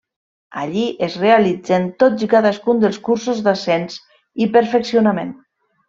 Allí es realitzen tots i cadascun dels cursos d'ascens i perfeccionament.